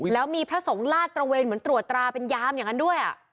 แล้วมีพระสงฆ์ลาดตระเวนเหมือนตรวจตราเป็นยามอย่างนั้นด้วย